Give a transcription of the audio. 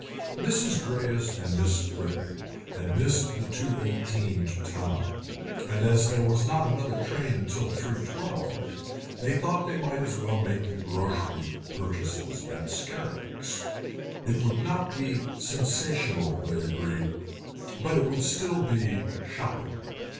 Mrs. Greyes and Miss Fritten had missed the 2.18 to Town, and as there was not another train till 3.12 they thought that they might as well make their grocery purchases at Scarrick's. It would not be sensational, they agreed, but it would still be shopping.